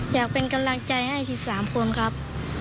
อยากเป็นกำลังใจให้๑๓คนครับ